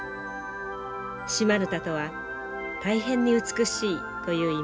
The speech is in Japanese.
シ・マヌタとは「大変に美しい」という意味です。